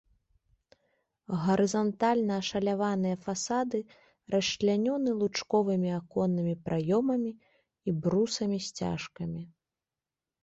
Гарызантальна ашаляваныя фасады расчлянёны лучковымі аконнымі праёмамі і брусамі-сцяжкамі.